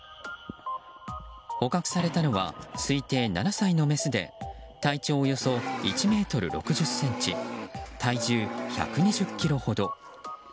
捕獲されたのは推定７歳のメスで体長およそ１ｍ６０ｃｍ体重１２０ｋｇほど。